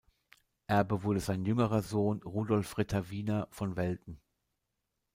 Erbe wurde sein jüngerer Sohn Rudolf Ritter Wiener von Welten.